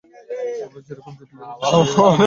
আমরা যেরকম যুদ্ধ দেখে এসেছি এটা সেরকম যুদ্ধ নয়!